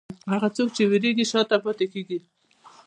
هغه څوک چې وېرېږي، شا ته پاتې کېږي.